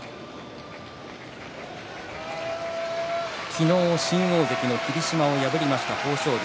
昨日、新大関の霧島を破りました豊昇龍。